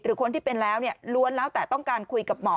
คนที่เป็นแล้วล้วนแล้วแต่ต้องการคุยกับหมอ